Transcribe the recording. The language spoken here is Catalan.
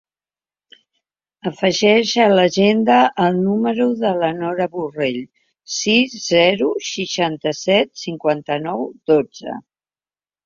Afegeix a l'agenda el número de la Nora Borrell: sis, zero, seixanta-set, cinquanta-nou, dotze.